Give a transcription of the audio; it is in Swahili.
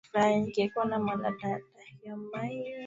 jinsi ya kulima viazi lisha